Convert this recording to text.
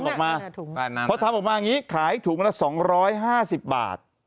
คือทางคุณนัตร